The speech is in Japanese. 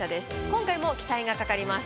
今回も期待がかかります。